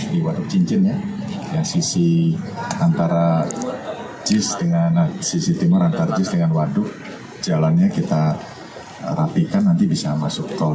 di waduk cincin ya sisi antara jis dengan waduk jalannya kita rapikan nanti bisa masuk tol